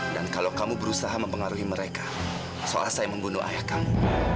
kalau kamu berusaha mempengaruhi mereka seolah saya membunuh ayah kamu